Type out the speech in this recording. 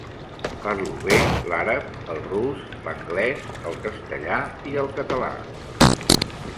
Parlo bé l'àrab, el rus, l'anglès, el castellà i el català.